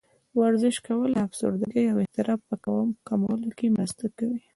ورزش کول د افسردګۍ او اضطراب په کمولو کې مرسته کوي.